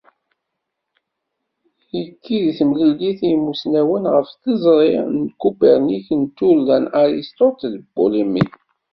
Ikki di temlilit n yimussnawen ɣef tiẓri n Kupernik d turda n Aristote d Polémée.